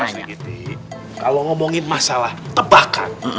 nanti mas rikiti kalo ngomongin masalah tebakan